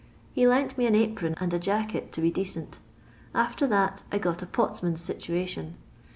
He lent me nn apron and a jacket to be decent After that I got a potman's situation.